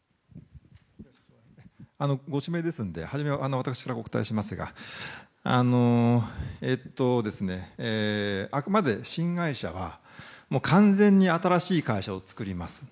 ご指名ですので私からご説明いたしますがあくまで新会社は完全に新しい会社を作ります。